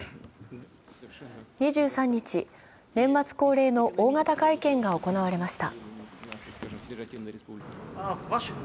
２３日、年末恒例の大型会見が行われました。